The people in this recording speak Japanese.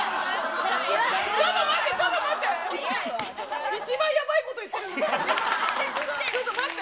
ちょっと待って、ちょっと待って。